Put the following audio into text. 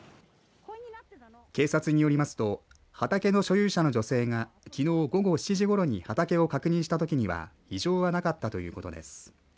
警察によりますと畑の所有者の女性がきのう午後７時ごろに畑を確認したときには異常はなかったということです。